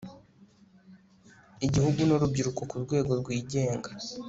igihugu nurubyiruko ku rwego rwigenga